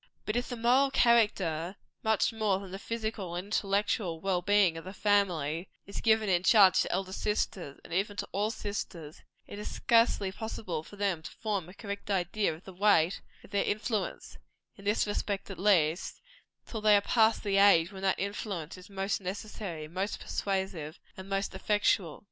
But if the moral character, much more than the physical and intellectual well being of the family, is given in charge to elder sisters, and even to all sisters, it is scarcely possible for them to form a correct idea of the weight of their influence, in this respect at least, till they are past the age when that influence is most necessary, most persuasive, and most effectual.